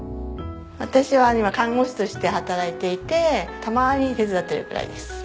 私は今看護師として働いていてたまに手伝っているくらいです。